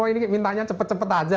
ini kayak mintanya cepet cepet saja